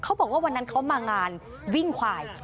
เขาบอกว่าวันนั้นเขามางานวิ่งควาย